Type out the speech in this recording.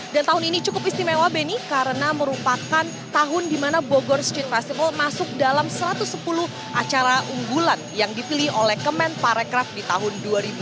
dan tahun ini cukup istimewa beni karena merupakan tahun di mana bogor street festival masuk dalam satu ratus sepuluh acara unggulan yang dipilih oleh kemen paracraft di tahun dua ribu dua puluh tiga